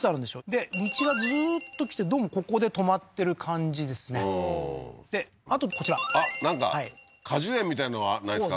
で道がずーっと来てどうもここで止まってる感じですねであとこちらあっなんか果樹園みたいのがないですか？